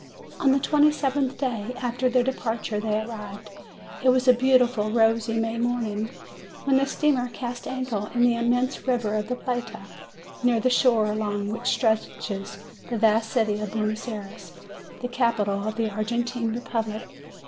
On the twenty seventh day after their departure they arrived. It was a beautiful, rosy May morning, when the steamer cast anchor in the immense river of the Plata, near the shore along which stretches the vast city of Buenos Ayres, the capital of the Argentine Republic.